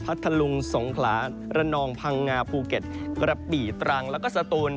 ทะลุงสงขลาระนองพังงาภูเก็ตกระบี่ตรังแล้วก็สตูน